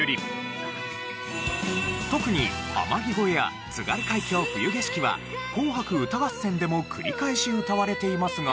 特に『天城越え』や『津軽海峡・冬景色』は『紅白歌合戦』でも繰り返し歌われていますが。